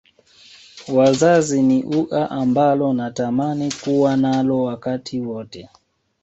Wazazi ni ua ambalo natamani kuwa nalo wakati wote